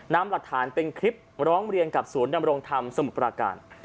นำหลักฐานเป็นคลิปร้องเรียนกับศูนย์ดำรงธรรมสมุทรปราการ